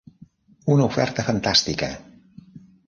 Una oferta fantàstica!